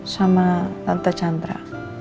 sama tante chandra